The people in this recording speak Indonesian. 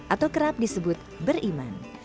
atau kerap disebut beriman